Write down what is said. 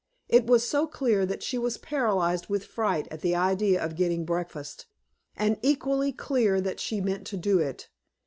It was so clear that she was paralyzed with fright at the idea of getting breakfast, and equally clear that she meant to do it.